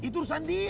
itu urusan dia